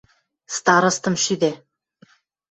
Старостым шӱдӓ.